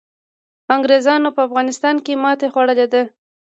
انګریزانو په افغانستان کي ماتي خوړلي ده.